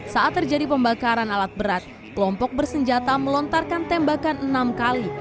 saat terjadi pembakaran alat berat kelompok bersenjata melontarkan tembakan enam kali